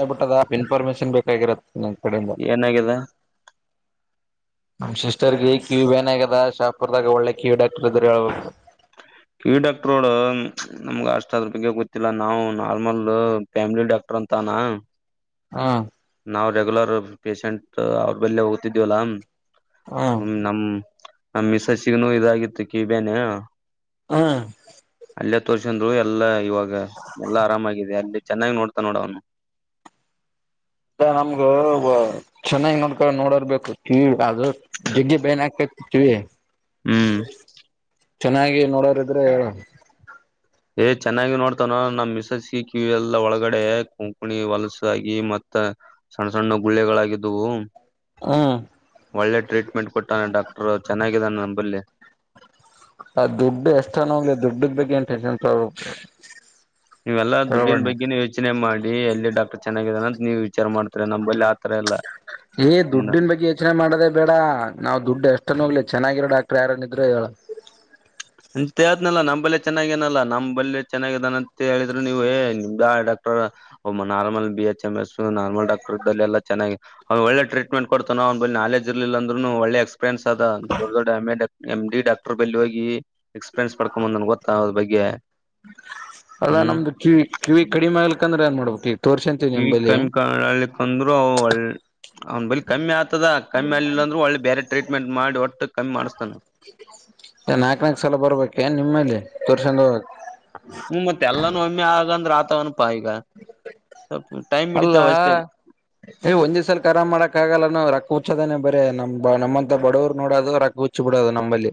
ಆಗ್ಬುಟ್ಟದ information ಬೇಕಾಗಿರದ್ ಏನಗಿದೆ ನಮ್ ಸಿಸ್ಟರ್ಗೆ ಕ್ಯೂ್ ಏನ್ ಆಗದ ಶಾಪುರ್ದಾಗ ಒಳ್ಳೆ ಕ್ಯೂ ಡಾ ಕೀವ್ ಡಾಕ್ಟರು ಹು ನಮ್ಗ ಅಷ್ಟ ಅದ್ರ ಬಗ್ಗೆ ಗೊತ್ತಿಲ್ಲ ನಾವು ನಾರ್ಮಲ್ ಫ್ಯಾಮಿಲಿ ಡಾಕ್ಟರ್ ಅಂತಾನ ಹಾ ನಾವ್ ರೆಗ್ಯುಲರ್ ಪೇೇಶೆಂಟ್ ಅವ್ರ ಬಳ ಹೋಗ್ತಿದೀವಲ್ಲ ಹ್ಮ್ ಹ ನಮ್ ನಮ್ ಮಿಸ್ಸಸ್ಸಿಗನುೂ ಇದಾಗಿತ್ತು ಕಿವೆನೆ ಹಾ ಅಲ್ಲೆ ತೋರ್ಸಂದ್ರು ಎಲ್ಲಾ ಇವಾಗ ಎಲ್ಲಾ ಆರಾಮಾಗಿದೆ ಅಲ್ಲಿ ಚೆನ್ನಾಗಿ ನೋಡ್ತನೆ ನೋಡು ಅವನು ನಮ್ಗ ಚೆನ್ನಾಗಿ ನೋಡ್ಕ ನೋಡೊರ್ ಬೆಕು ಕೀವ್ ಅದು ಜಗ್ಗಿ ಬೆನ್ ಹಾಕತತಿ ಹ್ಮ್ ಚೆನ್ನಾಗಿ ನೋಡೋರಿದ್ರೆ ಹೇಳು ಏ ಚೆನ್ನಾಗಿ ನೋಡ್ತಾನೊ ನಮ್ಮ್ ಮಿಸಸ್ ಸಿ ಕಿವಿ ಎಲ್ಲ ಒಳಗಡೆ ಕೊಂಕಣಿ ವಲಸಾಗಿ ಮತ್ತ ಸಣ್ಣ ಸಣ್ಣ ಗುಳ್ಳೆಗಳಾಗಿದ್ದವು ಹ್ಮ್ ಒಳ್ಳೆ ಟ್ರೀಟ್ಮೆಂಟ್ ಕೊಟ್ಟಾನೆ ಡಾಕ್ಟರ್ ಚೆನ್ನಾಗಿದಾನ ನಂಬಲ್ಲೆ ಆ ದುಡ್ಡು ಎಷ್ಟನ ಆಗ್ಲಿ ದುಡ್ದುನ್ ಬಗ್ಗೆ ಎನ್ ಟೆನ್ಸನ್ ತಕೊಬೆಡ ನೀವೆಲ್ಲಾ ದುಡ್ಡಿನ ಬಗ್ಗೆನ ಯೋಚನೆ ಮಾಡಿ ಎಲ್ಲಿ ಡಾಕ್ಟರ್ ಚೆನ್ನಾಗಿದಾನಂತ ನೀವು ವಿಚಾರ ಮಾಡ್ತಾರೆ ನಂಬಳಿ ಆತರ ಇಲ್ಲ ಏ ದುಡ್ಡನ್ ಬಗ್ಗೆ ಯೋಚನೆ ಮಾಡದೇ ಬೇಡ ನಾವ ದುಡ್ ಎಷ್ಟ ನೋಗ್ಲಿ ಚೆನ್ನಾಗಿರೋ ಡಾಕ್ಟರ್ ಯಾರನ್ನ ಇದ್ರೆ ಹೇಳ ಅಂತ ಹೇಳ್ದ್ನಲ್ಲ ನಮ್ಮಬಲ್ಲೆ ಚೆನ್ನಾಗೇನಲ್ಲಾ ನಮ್ ಬಲ್ಲೆ ಚೆನ್ನಾಗಿದ್ದಾನಂತ ಹೇಳಿದ್ರು ನೀವು ಏ ನ್ ಇದ್ ಆಡ normal B H M S normal doctor ಇದಲ್ಲಿ ಎಲ್ಲ ಚೆನ್ನಾಗಿ ಒಳ್ಳೆ ಟ್ರೀಟ್ಮೆಂಟ್ ಕೊಡ್ತ ್ ಬ ನಾಲೆಜ್ ಇರ್ಲಿಲ್ಲ ಅಂದ್ೂ ಒಳ್ಳೆ ಎಕ್ಸ್ಪೀರಿಯನ್ಸ್ ಅದ ದಡ್ ದೊಡ್ಡ M A M D doctor ಬಲ್ಲಿ ಹೋಗಿ ಎಕ್ಸ್ಪೀರಿಯನ್ಸ್ ಪಡ್ಕೊಂಬಂದ ನನ್ಗೆ ಗೊತ್ತಾ ಅದ್ರ ಬಗ್ಗೆ ಅಲ್ಲಾ ಹ್ಮ್ ನಮ್ದು ಕಿವಿ ಕಿವಿ ಕಡಿಮ ಆಗ್ಲಿಕಂದ್ರೆ ಏನ್ ಮಾಡ್ಬೇಕು ಕ ಕಮ್ಮಿ ಕಲ್ಲಿಂದ್್ರರು ಒಳ್ಳ ಅವ್ನ್ ಬಳಿ ಕಮ್ಮಿ ಆಗ್ತದ ಕಮ್ಮಿ ಅಲ್ಲಿಿಲ್ಲ ಅಂದ್ರೆ ಒಳ್ಳೆ ಬೇರೆ ಟ್ರೀಟ್ಮೆಂಟ್ ಮಾಡಿ ಒಟ್ಟ ನಾಕ್ ನಾಕ್ ಸಲ ಬರ್ಬೇಕೆ ನಿಮ್ಮಲ್ಲಿ ತೋರ್ಸೊಂಡ ಹೋಗ ಹ್ಮ್ ಮತ್ತೆ ಎಲ್ಲಾನು ಒಮ್ಮೆ ಆಗಂದ್ರೆ ಆತ ಒನ್ [inaudible] ಅಲ್ಲ ಹಿಡಿತಾವ ಅಷ್ಟೇ ಏ ಒಂದ್ ದಿವ್ಸಲ್ಖರಾಮ್ ಮಾಡಕ್ ಆಗಲ್ಲ ನಾ ರೊಕ್ಕ ಹರ್ಚ್ಚೋದನೇ ಬ ಅೆ ನಮ್ ನಮ್ಮಂತ ಬಡವರು ನೋಡೋದು ರೊಕ್ಕ ಹುಚ್ಚಿ ಬಿಡೋದು ನಮ್ಮಲ್ಲಿ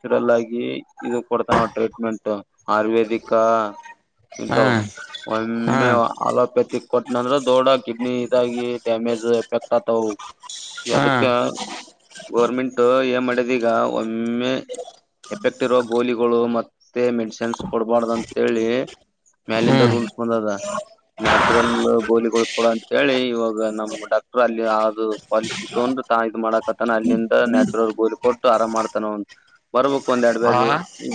ಚೂಡಲ್ ಆಗಿ ಇದು ಕೊಡ್ತವೆ ಟ್ರೀಟ್ಮೆಂಟ್ ಆಯುರ್ವೇದಿಕ್ ಹಾ ಎಂತವು ಹಾ ಒಮ್ಮೆ ಅಲೋಪ್ಯತಿಕ್ ಕೊಟ್ಟನಂದ್ರ ದೊಡ್ಡ ಕಿಡ್ನಿ ಇದಾಗಿ ಡ್ಯಾಮೇಜ್ ಎಫೆಕ್ಟ್ ಆತಾವ ಹಾ ಅದಕ್ಕ ಗೋರ್ಮೆಂಟ್ ಏನ್ ಮಾಡಿದ ಈಗ ಒಮ್ಮೆ ಎಫೆಕ್ಟ್ ಇರುವ ಗೋಲಿಗಳು ಮತ್ ಮೆಡಿಸಿನ್ಸ್ ಕೊಡಬಾರ್ದ ಅಂತ ಹೇಳಿ ಮೇಲಿಂದ ಹ್ಮ್ ರೂಲ್ಸ್ ಬಂದದ ಗೋಲಿಗಳುಳ್ಕಡ ಅಂತ ಹೇಳಿ ಇವಾಗ ನಮ್ಮ್ ಡಾಕ್ಟರ್ ಅಲ್ಲಿ ಅದು ಪಾಲಿಸಿ ತೊಂದ್ರೆಾ ಇದು ಮಾಡಕ ಅಲ್ಲಿಂದ ನೆ ಕೊಟ್ಟು ಆರಾಮ್ ಮಾಡ್ತಾನ ಬರ್ಬೇಕು ಒಂದ ಎರಡ್ ಹಾ ಬೇರೆ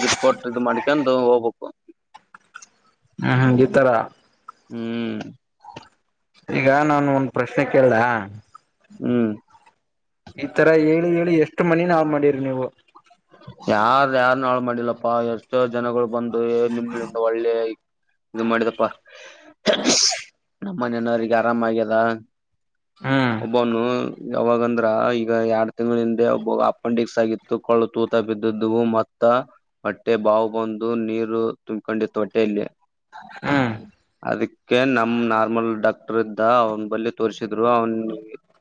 ಇಿಟ್ ಕೊಟ್ಟ ಮಾಡ್ಕೊಂಡ ಹ ಹಪ ಹ್ಮ್ ಹ್ಮ ಈ ತರ ಹ್ಮ್ ಈಗ ನಾನು ಒಂದ ಪ್ರಶ್ನೆ ಕೇಳ ಹ್ಮ್ ಈತರ ಹೇಳಿ ಹೇಳಿ ಎಷ್ಟು ಮನಿ ನಾವ್ ಮಾಡಿರಿ ನೀವು ಯಾರ ಯಾರ ನಾಳು ಮಾಡಿಲ್ಲಪ್ಪಾ ಎಷ್ಟೋ ಜನಗಳು ಬಂದ ನಿಮ್ಿಂದ ಒಳ್ಳೆ ಇದು ಮಾಡಿದಪ್ಪಾ ನಮ್ಮನನವಿಗೆ ಆರಾಮ ಆಗ್ಯದ ಹ್ಮ್ ಒಬ್ಬನು ಯಾವಾಗಂದ್ರ ಈಗ ಎರಡ್ ತಿಂಗಳಿಂದೆಬ ಅಪೆಂಡಿಕ್ಸ್ ಆಗಿತ್ತು ಕಳತು ತ್ತ ಬಿದ್ದಿದ್ದವು ಮತ್ತ ಹೊಟ್ಟೆ ಬಾವು ಬಂದು ನೀರು ತುಂಬಕೊಂಡಿತ್ತು ಹೊಟ್ಟೆಯಲ್ಲಿ ಹ್ಮ್ ಅದಕ್ಕೆ ನಮ್ ನಾರ್ಮಲ್ ಡಾಕ್ಟರ್ ಇದ್ದ ಅವನ ಬಳಿ ತೋರ್ರಿಸ ್ರು ಅವನ್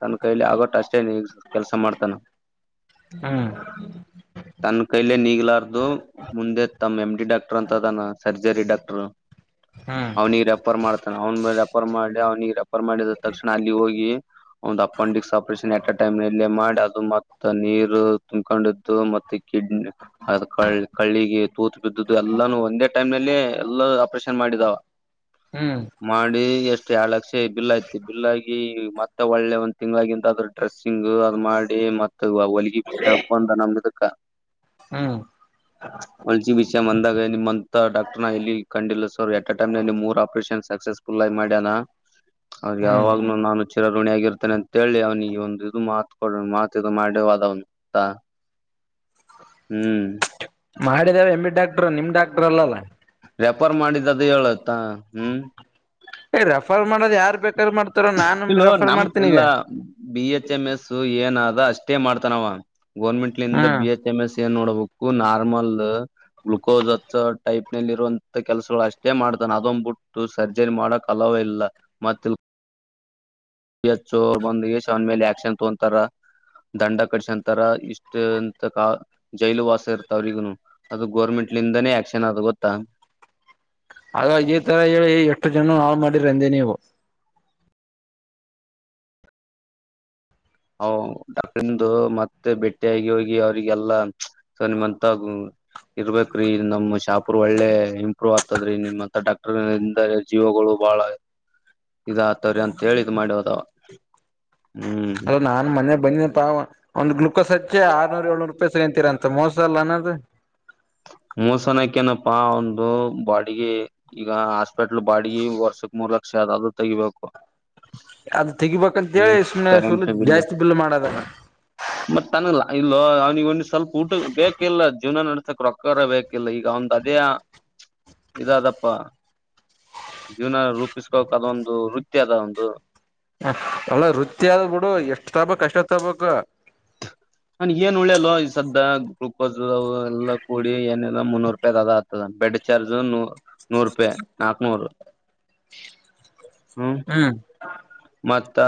ತನ್ನ ಕೈಲಿ ಆಗೋಟ್ಟ ಅಷ್ಟೇ ಕೆಲ್ಸ ಮಾಡ್ತಾನ ಹ್ಮ್ ತನ್ ಕೈಲೆ ನೀಗ್ಲಾರ್ದು ಮುಂದೆ ತಮ್ಮ್ ಎಮ್ ಡಿ ಡಾಕ್ಟರ್ ಅಂತದನ್ನ ಸರ್ಜರಿ ಡಾಕ್ಟರ್ ಹ್ಮ್ ಅವ್ನಿಿಗೆ ರೆಫರ್ ಮಾಡ್ತಾನ ಅವ್ನ್ ರೆಫರ್ ಮಾಡಿ ಅವ್ನಿಿಗೆ ರೆಫರ್ ಮಾಡಿದ ತಕ್ಷಣ ಅಲ್ಲಿ ಹೋಗಿ ಒಂದ್ appendix operation at a time ನಲ್ಲೇ ಮಾಡಿ ಅದು ಮತ್ತ ನೀರು ತುಂಬ್ಕೊಂಡ್ದು ಮತ್ತ ಕಿಡ್ನಿ ಅದ ಕ ಕಳ್ಳಿಗೆ ತೂತ ಬಿದ್ದ್ದು ಎಲ್ಲಾನು ಒಂದೇ ಟೈಮ್ ನಲ್ಲ ಎಲ್ಲ ಆಪರೇಷನ್ ಮಾಡಿದಾವ ಹ್ಮ್ ಮಾಡಿ ಎಷ್ಟು ತ್ತ ಎರಳ ಲಕ್ಷ ಬಿಲ್ ಯತಿ ಬಿಲ್ ಆಗಿ ಮತ್ತೆ ಒಳ್ಳೆ ಒಂದ್ ತಿಂಗ್ಗಳಗ ಅಂತ ಅದ್ರ ಡ್ರೆಸ್ಸಿಂಗ್ ಅದ್ ಮಾಡಿ ಮತ್ತೆ ತ ಹೊಲಿಗೆ ಬಿ ಬಂದ ನಮ್ದದಕ್ಕ ಹ್ಮ್ ವಲ್ಚಿ ಬಿಚ ಮಂದಾಗ ಮ ಡಾಕ್ಟರ್ನ ಇಲ್ಲಿ ಕಂಡಿಲ್ಲ ಸರ್ ಎಟ್ ಅ ಟೈಮ್ಲ್ಲಿ ಮೂರ್ ಆಪರೇಷನ್ ಸಕ್ಸಸ್ಫುಲ್ಗಿ ಮಾಡ್ಯನಾ ಹಾಗ ಹ್ಮ್ ಯಾವಾಗ್ಲೂ ನಾನು ಚಿರಋಣಿ ಆಗಿರ್ೆ ಅಂತಾನ ಅಂತೇಳಿ ಅವ್ನಿಗೆ ಒಂದು ಇದು ಮಾತ್ ಕೊಡ ಮಾತ್ ಇದು ಮಾಡ್ಯವದವನ್ಂತ ಮಾಡಿದ್ದೇಾವ ಎಂಬಿ ಡಾಕ್ಟರು ನಿಮ್ ಡಾಕ್ಟರ್ ಅಲ್ಲಲ್ಲ ರೆಫರ್ ಮಾಡಿದ್ದದು ಹೇಳುತ್ತಾ ಹ್ಮ್ ಏ ರೆಫರ್ ಮಾಡೋದ್ ಯಾರ್ ಬೇಕಾದಾರ್ ಮಾಡ್ತಾರ ನಾನ್ ಇಲ್ಲ ರೆಫರ್ ನಮ ಮಾಡ್ತೀನಿ ಇಲ್ಲ ಈಗ ಬಿ ಎಚ್ ಎಂ ಎಸ್ ಏನ ಆದ ಅಷ್ಟೇ ಮಾಡ್ತಾನವ ಗೌರ್ಮೆಂಟ್ ಹಾ ನಿಂದ ಬಿ ಎ ಎಂ ಎಸ್ ಏನ್ ನೋಡ ಬಕ್ಕು ನಾರ್ಮಲ್ ಗ್ಲುಕೋಸ್ ಹಚ್ಚ ಟೈಪ್ನಲ್ಲಿ ಇರುವಂತ ಕೆಲ್ಸಗಳು ಅಷ್ಟೇ ಮಾಡ್ತಾನ ಅದಂದ್ಬಿಟ್ಟು ಸರ್ಜರಿ ಮಾಡಕ ಅಲವೇ ಇಲ್ಲ ಮತಿ ಯಚ್ಚು ಅವರು ಬಂದ್ ಯಶ್ ಅವನ್ ಮೇಲೆ ಆಕ್ಷನ್ ತಗಂತಾರ ದಂಡ ಕಡ್ಸಂತರ ಇಷ್ಟಂತ ಕ ಜೈಲು ವಾಸ ಇರ್ತ ಅವ್ರಿಗನು ಅದು ಗೋರ್ಮೆಂಟ್ ಇಟ್ಲಿಂದನೇ ಆಕ್ಷನ್ ಅದು ಗೊತ್ತಾ ಅ ತರ ಹೇಳಿ ಎಷ್ಟು ಜನ ನಾಳ ಮಾಡಿರ ಅಂದೇ ನೀವು ಹ ಡಾಟ್ರಂದು ಮತ್ತೆ ಬೆಟ್ಟಿ ಯಾಗಿ ಹೋಗಿ ಅವ್ರಿಗೆಲ್ಲಾ ಸೊ ನಿಮ್ಂತ ಇರ್ಬೇಕ್ರೀ ನಮ ಶಾಪ ಒಳ್ಳೆ ಇಂಪ್ರೂವ್ ಆಗ್ತ ದ ನಿಮ್ಮತ್ರ ಡಾಕ್ಟರ್ಿಂದ ಜೀವಗಳು ಬಹಳ ಇದ ಆತವ್ರಿ ಅಂತ ಹೇಳಿದ್ ಮಾಡಿ ಹದಾವ ಹ್ಮ್ ಅದು ನಾನ್ ಮನೆ ಬಿ ಒಂದು ಗ್ಲುಕೋಸ್ ಹಚ್ಚಿ ಆರ್ನೂರು ಏಳ್ನೂರು ರೂಪಾಯಿ ಸಿಗಂತೀರ ಅಂತ ತ್ತ ಮೋಸಲ್ಲನದು ಮೋಸನಕ ನಪ್ಪಾ ಒಂದು ಬಾಡಿಗೆ ಈಗ ಹಾಸ್ಪೆಟ್ಲ್ ಬಾಡಿಗೆ ವರ್ಷಕ್ ಮೂರ್ಲ ಕ್ಷೆ ಅದ ಅದು ತೆಗಿಬೇಕು ಅದ ತೆಗಬೇಕಂತೇಳಿ ಹ್ಮ್ ಸುಮನೆ ಸುಲ ಜಾಸ್ತಿ ಬಲ್ು ಮಾಡದಣ ಮತ್ತ ತನಗ ಇಲ್ಲ ಅವ್ನಿಗೆ ಒಂದ್ ಸ್ವಲ್ಪ ಊಟ ಬೇಕಿಲ್ಲ ಜೀವನ ನಡ್ಸಕ್ ರೊಕ್ತ ಕರ ಬೇಕಿಲ್ಲ ಈಗ ಒಂದ್ ಅದೇ ಇದಾದಪ್ಪ ಜೀವನ ರೂಪಿಸ್ಕೋಕ್ ಅದ ಒಂದು ವೃತ್ತಿ ಅದ ಒಂದು ಹ ಅಲ್ಲ ವೃತ್ತಿ ಆದ ಬಿಡು ಎಷ್ಟ್ ತಬಕ್ ಅಷ್ಟೊತ್ ತಬಕ್ು ನನ್ ಏನ್ ಉಳ್ಳ್ಯಲ್ಲ ಸದ್ದ ಗ್ಲೂಕೋಸ್ ಎಲ್ಲೂಡ ನ ಎಲ್ಲ ಮುನ್ನೂರುೂಪಾಯ ಅ ಬೆಡ್ ಚಾರ್ಜ್ ನೂ ನೂರು ರೂಪಾಯಿ ನಾಕನೂರು ಹ್ಮ್ ಮತ್ತ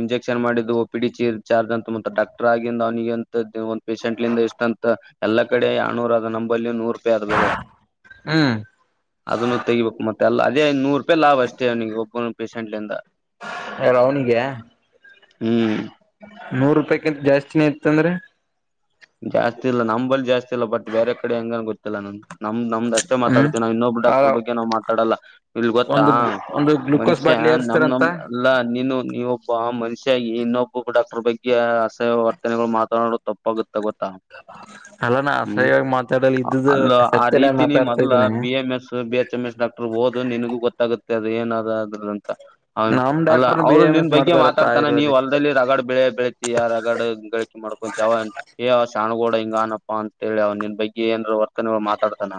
ಇಂಜೆಕ್ಷನ್ ಮಾಡಿದ್ದು ಓಪಿ ಡಿ ಚಿ ಚಾರ್ಜ್ ಅಂತ ಮ ಡಾಕ್ಟರ್ ಆಗಿಂದ ಅವನಿಗೆಂತ ಪೇೇಶೆಂಟ್ಂದ ಎಷ್ಟಂತ ಎಲ್ಲಾ ಕಡೆ ಯನೂರ ನಂಬಲ್ಲಿ ನೂರ ಪಾಯ ಆದ ಬೇರೆ ಹ್ಮ್ ಅದನ್ನು ತೆಗಿಬೇಕು ಮತ್ತೆ ಎ ಅದೇ ನೂರು ರೂಪಾಯಿ ಲಾಭ ಅಷ್ಟೇ ಅವ್ನಿಗೆ ಒಬ್ಬೊನ ಪೇಷಂಟ್ಲಿಂದ ಅವನಿಗೆ ಹ್ಮ್ ನೂರು ರೂಪಾಯಕಿಂತ ಜಾಸ್ತಿನ ಇತ್ತಂದ್ರೆ ಜಾಸ್ತಿ ಇಲ್ಲ ನಂಬಲ್ಲಿ ಜಾಸ್ತಿ ಇಲ್ಲ ಬಟ್ ಬೇರೆ ಕಡೆ ಹೆಂಗ ಗೊತ್ತಿಲ್ಲ ನ ನಮ್ದ ನಮ್ದ್ ಅಷ್ಟೇ ಹ್ಮ್ ಮಾತಾಡ್ತವಿ ನಾ ಇನ್ನೊಬ್ ಆ ಡಾಕ್ಟರ್ ಬಗ್ಗೆ ನಾವ್ ಮಾತಾಡಲ್ಲ ಇಲ್ ಗೊತ್ತಾ ಒಂದು ಒಂದು ಗ್ಲುಕೋಸ್ ಮನುಷ್ಯ ಬಾಟ್ಲಿ ನಮ ನಮ್ ಏರ್ಸ್ತಾರಂತ ಎಲ್ಲಾ ನೀನು ನೀವು ಒಬ್ಬ ಮನುಷ್ಯಾಗಿ ಇನ್ನೊಬ್ಬ ಡಾಕ್ಟರ್ ಬಗ್ಗೆ ಆಸಹ ವರ್ತನೆಗಳು ಮಾತಾಡುದು ತಪ್ಪಾಗುತ್ತೆ ಗೊತ್ತ ಅಲ್ಲ ನಾ ಹ್ಮ್ ಅಸಹ್ಯವಾಗಿ ಮಾತಾಡಲ್ಲ ಇದ್ದುದು ಅಲ್ಲ ಆ ಸತ್ಯನೇ ರೀತಿನ ಮಾತಾಡ್ತಾ ಮೊದ್ಲ ಇದ್ದೀನಿ B M S B H M S doctor ಹಓದು ನಿನಗೂ ಗೊತ್ತಾಗುತ್ತೆ ಅದು ಏನಾದಾದ್ರ ಅಂತ ಹೌ ನಮ್ ಅಲ್ಲ ಡಾಕ್ಟರ್ ಬಿ ಅವ್ರು ಎಂ ನಿನ್ ಎಸ್ ಬಗ್ಗೆ ಮಾಡ್ತಾರಪ್ಪ ಮಾತಾಡ್ತಾನ ನೀವ್ ಆಯುರ್ವೇದಿಕ್ ಹೊಲ್ದಲ್ಲಿ ರಗಡ್ ಬೆಳೆ ಬೆಳತಿ ಆ ರಗಡ್ ಗಳಿಕೆ ಮಾಡ್ಬ ವ ಏ ಅವ್ ಸಾಣಗೋಡ ಹಿಂಗ ಅನಪ್ಪಾ ಅಂತ ಹೇಳಿ ಅವ್ ನಿನ್ ಬಗ್ಗೆ ಏನ್ರ ವರ್ತನಗಳು ಮಾತಾಡ್ತಾನ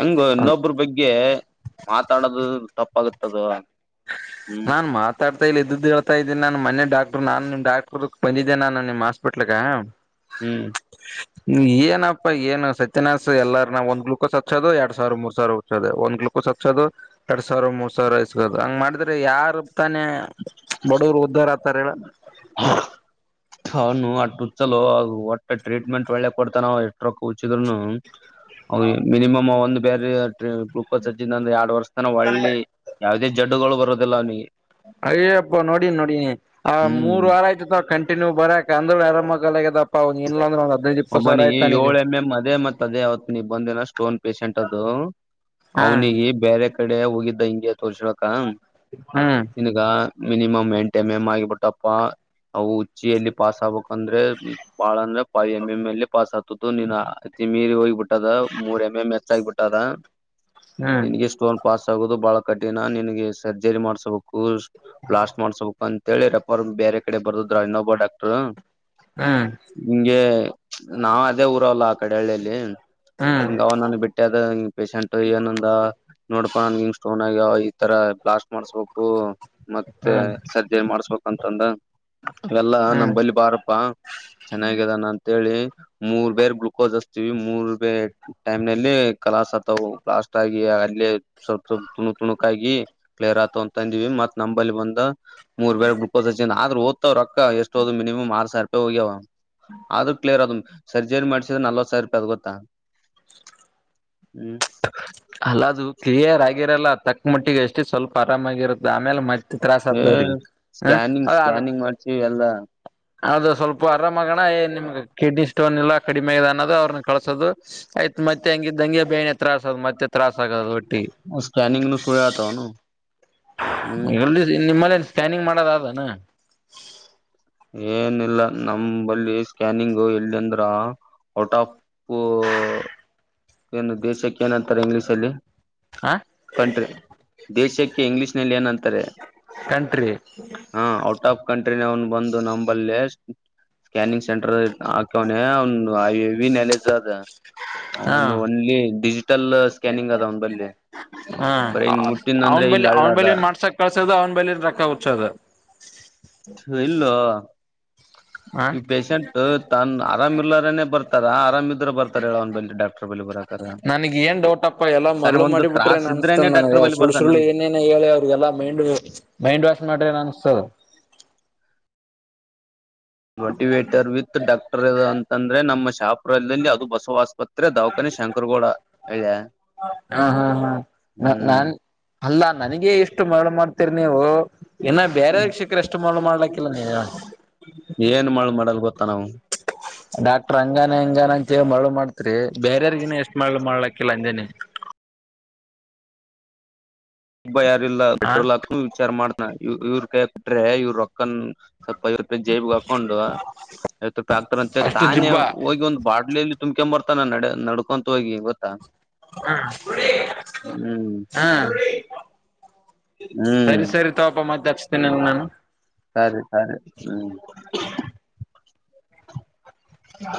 ಹೆಂಗು ಇನ್ನೊಬ್ರ ಬಗ್ಗೆ ಮಾತಾಡದು ತಪ್ಪಾಗತ್ತದು ಹ್ಮ್ ನಾನ್ ಮಾತಾಡ್ತಾ ಇಲ್ಲ ಇದ್ದ ಹೇಳ್ತಾ ಇದ್ದೀಿ ನಾನನ್ ಮ ಡಾಕ್ಟ್ರ್ ನಾನ್ ನಿಮ್ ಡಾಕ್ಟರ್ ಬಂದಿದ್ದೇನೆ ನಾನು ನಿಮ್ ಹಾಸ್ಪಿಟ್ಲ್ಗ ಹ್ಮ್ ಹ್ಮ್ ಏನಪ್ಪಾ ಏನು ಸತ್ಯನಸ್ ಎಲ್ಲಾರನ್ನ ಒಂದ್ ಗ್ಲುೂಕೋಸ್ ಹಚ್ಚೋದು ಎರಡ್ ಸಾವಿರ ಮೂರ್ ಸಾವಿರ ಹಚ್ಚೋದ ಒಂದ ್ ಹೋದು ಎರಡ್ ಸಾವಿರ ಮೂ ಸಾವರ ಎೋದು ಹಂಗ್ ಮಾಡಿದ್ರ ಯಾರತಾನೆ ಬಡವರು ಉದ್ದಾರ ಆತಾರ ಹೇಳ ಅವನು ಅಟ್ಟ ಹಚ್ಚಲು ಒಟ್ಟ ಟ್ರೀಟ್ಮೆಂಟ್ ಒಳ್ಳೆ ಕೊಡ್ತಾನ ಎಷ್ಟ ರಕ್ಕ ಹುಚ್ಚಿದ್ರುನು ಅವ್ರ ಮಿನಿಮಮ್ ಒಂದ್ ಬೇರೆ ಗ್ಲೂಕೋಸ್ ಹಜ ಒಂದ ಎರಡ್ ವರ್ಷ ತನ ಒಳ್ಳಿ ಯಾವುದೇ ಜಡ್ಡುಗಳು ಬರದಿಲ್ಲ ಅವ್ನಿಗೆ ಅಯ್ಯಪ್ಪ ನೋಡಿನಿ ನೋಡನಿ ಆ ಹ್ಮ್ ಮೂರ್ ವಾರ ಆಯ್ತು ಕಂಟಿನ್ಯ ನೀ್ ಬರಾಕ ಅಂದ್ರಿ ಆರಾಮಕ್ಕಾಲ ಆಗದಪ್ಪಾ ಒ ಇಲ್ಲಂದ್ರ ಒಂದ್ ಹದ್ಿನೈದು್ ಇಪ್ಪತ್ತು ಸಾವರ ಆಕ್ ನನಿಗೆ ನೀಗ್ ಬಂದಿಲ್ಲ ಸ್ಟೋನ್ ಪೇಷೆಂಟ್ ಅದು ಹಾ ಅವ್ನಿಿಗೆ ಬೇರೆ ಕಡೆ ಹೋಗಿದ್ದ ಹಿಂಗೆ ತೋಸ್ಕಾಳಕ [inaudible] ಹ್ಮ್ ಮಿನಿಮಮ್ ಎಂಟಮ ಎಮ್ ಆಗಿಬಿಟ್ಟಪ್ಪಾ ಅವು ಿಯಲ್ಲಿ ಪಾಸ್ ಆಗ್ಬೇಕಂದ್ರೆ ಬಾಳ ಅಂದ್ರೆ ಎಂ್ ಎಂ್ ಎಲ್ಲಿ ಪಾಸ್ ಆಗ್ ತುತು ನೀನ್ ಅತಿಿ ಮೀರಿ ಹೋಗಿಬಿಟ್ಟದ ಮೂರ್ ಎಂ್ ಎಂ್ ಹೆಚ್ಚ ಆಗಬಿಟ್ಟದ ಹ್ಮ್ ನಿನಿಗೆ ಸ್ಟೋನ್ ಪಾಸ್ ಆಗೋದು ಬಹಳ ಕಠಿಣ ನಿನಗೆ ಸರ್ಜರಿ ಮಾಡ್ಸಬೇಕು ಬ್ಲಾಸ್ಟ್ ಮಾಡ್ಸಬೇಕಕ್ ಅಂತೇಳಿರಪ್ಪ ಬೇರೆ ಕಡೆ ಬರ್ದದ್ರ ಇನ್ನೊಬ್ಬ ಡಾಕ್ರ್ ಹ್ಮ್ [inaudible] ಇಂಗೆ ನಾ ಅದೇ ಊರಲ್ಲ ಆ ಕಡಹಳ್ಳಿಯಲ್ಲಿ ಹ್ಮ್ ಹಿಂಗ ಅವ ನನ್ ಬಿಟ್ಟೆ ಅದ ಪೇಶಂಟ್ ಏನಂದ ನೋಡ್ಪಾ ನನ್ ಹಿಂಗ ಸ್ಟೋನ್ ಆಗ್ಯ ಈತರ ಬ್ಲಾಸ್ಟ್ ಮಾಡ್ಸ್ಬೇಕು ಮತ್ತೆ ಹ್ಮ್ ಸಜ್ಜೆ ಮಾಡಸ್ಬೇಕ ಅಂತಂದ [unintelligible] ಲ್ಲ ನಮ ಹ್ಮ್ ಬಲ್ಲಿಿ ಬಾರಪ್ಪಾ ಚೆನ್ನಾಗಿದ್ದಾನ ಅಂತ [unintelligible] ಿ ಮೂರ್ ಬೇರ್ ಗ್ಲುೂಕೋಸ್ ಹಸ್ತವಿ ಮೂರ್ ಬೇ ಟೈಮ್ ನಲ್ಲಿ ಕಲಾಸ್ ಆಗ್ತಾವು ಬ್ಲಾಸ್ಟ್ ಅಲ್ಲಿ ಆಗ್ಲಿ ಸ್ವಲ್ಪ ಸ್ವಲ್ಪ ತುಣಕ್ ತುಣಕ್ ಆಗಿ ಕ್ಲಿಯರ್ ಆತಂತಂದಿವವಿ ಮತ್ ನಂಬಲ್ಲಿ ಬಂದ ಮೂರ್ ಬೇರ್ ಗ್ಲುಕೋಸ್ ಹಚ್ಚಿನ್ ಅ್ರ ದ್ ಹೋತವ್ರೊಕ್ಕ ಎಷ್ಟೋದು ಮಿನಮ್ ಆರು ಸಾವಿ ಹೋಗ್ಯವ ಆದ್ರೂ ಕ್ಲಿಯರ್ ಅದ ಸರ್ಜರಿ ಮಾಡ್ಸಿದ್ರೆ ನಲ್ವ ಸರ್ ಪ ಅದ್ ಗೊತ್ತ [unintelligible] ಅಲ್ಲ ಅದು ಕ್ಲಿಯರ್ ಆಗಿರಲ್ಲ ತಕ್ಕ ಮಟ್ಟಿಗೆ ಎಷ್ಟು ಸ್ವಲ್ಪ ಆರಾಮಾಗಿರುತ್ತೆ ಆಮೇಲೆ ಮತ್ ತ್ರಾಾಸ ಏ ಆದ್ದವ್ರಿಗೆ [unintelligible] ಸ್ಕ್ಯಾನಿಂಗ್ ಹ ಸ್ಕ್ಯಾನಿಂಗ್ ಮಾಡ್ಸಿ ಎಲ್ಲ ಅದು ಸ್ವಲ್ಪ ಆರಾಮಗಣ ಏನಿಮ್ಗ ಕಿಡ್ನಿ ಸ್ಟೋನ್ ಇಲ್ಲ ಕಡಿೆ ಇದೆ ಅನ್ನೋದು ಅವ್ರನ್ನ ಕಳಸೋದು ಆಯ್ತ್ತ್ತೆ ಹಂಗಿದ್ದಂಗೆ ಬ ಾಸ ಅ ಮತ್ತೆ ತ್ರಾಸಾಗದು ಒಟ್ಟಿಗ್ ಸ್ಕ್ಯಾನಿಂಗ್ನು ಸುಳ್ ಹೇಳ್ತಾವನು ಹ್ಮ್ ಎಲ್ಲಿದ್ ನಿಮ್ಮಲ್ಲಿ ನ್ ಸ್ಕ್ಯಾನಿಂಗ್ ಮಾಡದನಾ ಏನಿಲ್ಲ ನಮಂಳಿ ಸ್ಕ್ಯಾನಿಂಗ್ ಎಲ್ಲಿಂದ್ರ ಔಟ್ ಆಫ್ [unintelligible] ಏನು ದೇಶಕ್ಕೆ ಏನಂತಾರೆ ಇಂಗ್ಲಿೀಷ್ ಅಲ್ಲಿ [inaudible] ಹ ಕಂಟ್ರಿ ದೇಶಕ್ಕೆ ಕೆಇಂಗ್ಷ್ ನಲ್ಲಿ ಏನ್ಂತಾರೆ ಕಂಟ್ರಿ [unintelligible] ಹ ಔಟ್ ಆಫ್ ಕಂಟ್ ನ ಅವನ್ ಬಂದು ನಂಬಲ್ಲಿ [unintelligible] ಸ್ಕ್ಯಾನಿಂಗ್ ಸೆಂಟರ್ ಹಾಕ್ಯವನ ಅವನು ಹೆವಿ ನೆಲಜ ಅದ ಹಾ ಅವನು ಒನ್ಲಿ ಡಿಜಿಟಲ್ ಸ್ಕ್ಯಾನಿಂಗ್ ಅದ ಅವನ ಬಲ್ಲಿಿ ಹ್ಮ ಅವ್ನ್ ಬಳಿ ಹಳ್ಳ ಅವ್ನ ಬಳ ಅದ ಏನ್ ಮಾಡ್ಸಕ್ ಕಳ್ಸದ ಅವ್ನ್ ಬಳಿದ್ ರೊಕ್ಕ ಹುಚ್ಚದ [inaudible] ಇಲ್ಲೋ ಹಾ ಈ ಪೇಶೆಂಟ್ ತನ್ ಆರಾಮ್ ಇಲ್ಲಾರನೆ ಬರ್ತಾರ ಆರಾಮ್ ಇದ್ರ ಬರ್ತಾರ ಹೇಳ ಅವನ ಬಲ್ಲಿ ಡಾಕ್ಟರ್ ಬಲ್ಲಿ ಬರಾಕರ [inaudible] ನನಗ್ ಏನ್ ಡೌಟ್ಪ್ಪ ಎಲ್ಲ ತನಗ ಮರಳು ಒಂದು ಮಾಡಿ ಬಿಿಟ್ರೆ ತ್ರಾಸ ಇದ್ರೇನೆ ಅನ್ಸ್ತನ್ ನನಗೆ ಡಾಕ್ಟರ್ ಬಲ್ಲಿ ಸುಳ್ಳು ಸುಳ್ಳು ಬರ್ತಾನ ಏನೇನ್ ಹೇಳಿ ಅವ್ರಿಗೆಲ್ಲಾ ಮೈಂಡ್ ಮೈಂಡ್ ವಾಶ್ ಮಾಡ್ರೆನ್ ಅನಿಸ್ತದೆ [unintelligible] ಮೋಟಿವೇಟರ್ ವಿತ್ ಡಾಕ್ಟರ್ ಅಂತಂದ್ರೆ ನಮ್ಮ ಶಾಪುಲ್ದಲ್ಲಿ ಅದು ಬಸವ ಆಸ್ಪತ್ರೆ ದಾವಾಖಾನ ಶಂಕರಗೌಡ ಹೇಳ್ಳ್ಯ ಹ ಹ್ಮ್ ಹ್ಮ ನಾನ್ ಅಲ್ಲಾ ನನಗ ಎಷ್ಟು ಮರಳು ಮಾಡ್ತ ರಿ ನೀವು ಇನ್ನ ಬೇರೆರ್ ಶಿಕ್ರೆ ಎಷ್ಟು ಮಳ ಮಾಡ್ಲಕ್ಕಿಲ್ಲ ನೀವು ಏನ್ [unintelligible] ಡಾಕ್ಟರ್ ಹಂಗಾನ ಹಿಂಗಾನ ಅಂತಿ ಮರಳು ಮಾಡ್ತ ರಿ ಬೇರರ್ಗಿನ ಎಷ್ಟ್ ಮಾಡಲು ಮಾಡ್ಲಕ್ಕಿಲ್ಲ ಅಂದೇನೆ ಒಬ್ಬ ಯಾರಿಲ್ಲ ಹ ಪೆಟ್ರೋಲ್ ಹಾಕ ವಿಚಾರ ಮಾಡನ ಇವ್ರ ಕೈಕ ಕೊಟ್ರೆ ಇವರು ರೊಕ್ಕನ್ ಸ್ವಲ್ಪ ಐವ್ ರೂಪಾಯಿ ಜೇಬಗ್ ಹಾಕೊಂಡು ಐವತ್ತು ರೂಪಾಯಿ ಹಾಕ್ತಾರಂತೆ ಅಷ್ಟು ತಾನೇ ಜಿಬ್ಬ ಹೋಗಿ ಒಂದ ಬಾಟ್ಲಲ್ಲಿ ತುಂಬ್ಕ್ ಬರ್ತಾನ ನಡೆ ನಡ್ಕೊಂತ ಹೋಗಿ ಗೊತ್ತಾ ಹಾ [unintelligible] ಹ್ಮ್ ಹಾ ಹ್ಮ್ ಸರಿ ಸರಿ ತೋಪ ಮತ್ತೆ ತಚ್ತೇನಿಲ್ಲ ನಾನು ಸರಿ ಸರಿ ಹ್ಮ್ ಯ